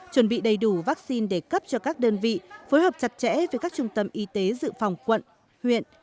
chuẩn bị đầy đủ vaccine để cấp cho các đơn vị phối hợp chặt chẽ với các trung tâm y tế dự phòng quận huyện